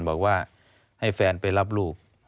บอกว่าให้แฟนไปรับลูก